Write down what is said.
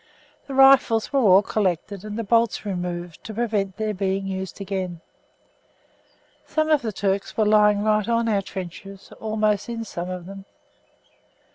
The rifles were all collected and the bolts removed to prevent their being used again. Some of the Turks were lying right on our trenches, almost in some of them.